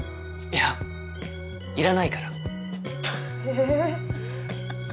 いやいらないから。